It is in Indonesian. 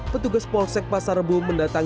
petugas polsek pasar rebul mendatangi